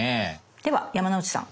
では山之内さん。